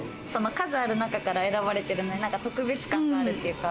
数ある中から選ばれてるので、特別感があるっていうか。